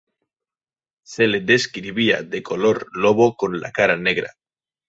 Se le describía de color lobo con la cara negra.